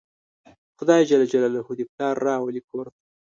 خدای ج دې پلار راولي کور ته